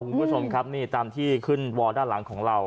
คุณผู้ชมครับนี่ตามที่ขึ้นวอลด้านหลังของเรา